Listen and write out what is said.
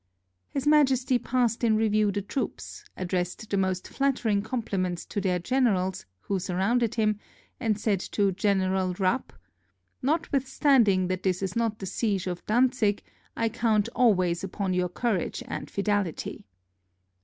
His Majesty passed in review the troops, addressed the most flattering compHments to their generals, who surrounded him, and said to General Rapp, "Notwith standing that this is not the siege of Dantzic, I count always upon your courage and fidelity!